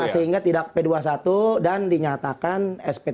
sehingga tidak p dua puluh satu dan dinyatakan sp tiga